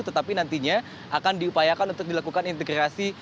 tetapi nantinya akan diupayakan untuk dilakukan integrasi